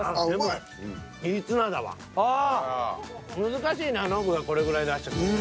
難しいなノブがこれぐらい出してくると。